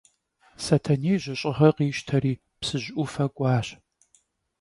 Setenêy jış'ığe khişteri Psıj 'ufe k'uaş.